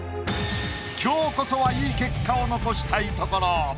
今日こそはいい結果を残したいところ。